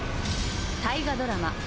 大河ドラマ